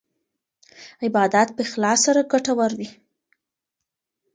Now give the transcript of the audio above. عبادت په اخلاص سره ګټور وي.